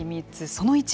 その１。